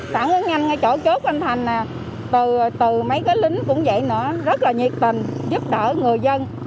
phản ứng nhanh cái chỗ chốt anh thành từ mấy cái lính cũng vậy nữa rất là nhiệt tình giúp đỡ người dân